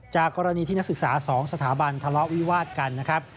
จากกรณีที่นักศึกษา๒สถาบันทะเลาะวิวาดกันนะครับ